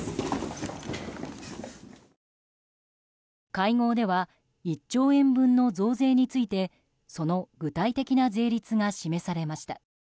会合では１兆円分の増税についてその具体的な税率が示されました。